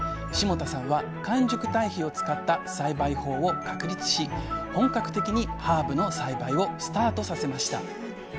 霜多さんは完熟堆肥を使った栽培法を確立し本格的にハーブの栽培をスタートさせました